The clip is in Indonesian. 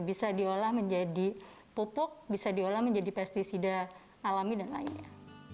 bisa diolah menjadi pupuk bisa diolah menjadi pesticida alami dan lainnya